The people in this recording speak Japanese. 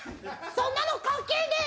そんなの関係ねえ！